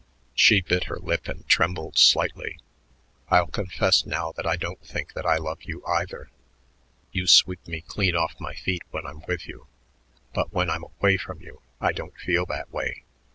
She bit her lip and trembled slightly. "I'll confess now that I don't think that I love you, either. You sweep me clean off my feet when I'm with you, but when I'm away from you I don't feel that way.